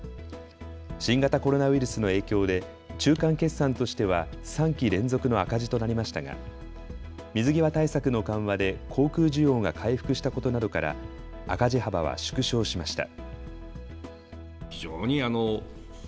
新型コロナウイルスの影響で中間決算としては３期連続の赤字となりましたが水際対策の緩和で航空需要が回復したことなどから赤字幅は縮小しました。